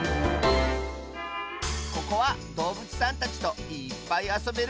ここはどうぶつさんたちといっぱいあそべるぼくじょうだよ。